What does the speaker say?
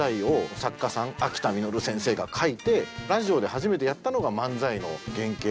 秋田實先生が書いてラジオで初めてやったのが漫才の原型。